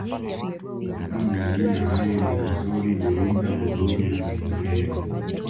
Mfano majina hayo ni Rusori Buringa Bururi na mengineyo